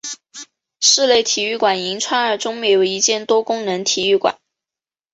室内体育馆银川二中设有一间多功能体育馆。